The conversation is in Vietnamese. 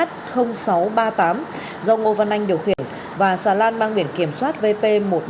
do ngô văn anh điều khiển và xà lan mang biển kiểm soát vp